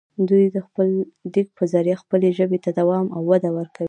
دوي دَ خپل ليک پۀ زريعه خپلې ژبې ته دوام او وده ورکوي